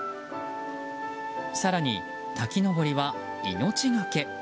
更に、滝登りは命がけ。